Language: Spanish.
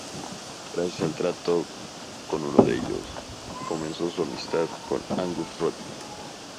Gracias al trato con uno de ellos, comenzó su amistad con Auguste Rodin.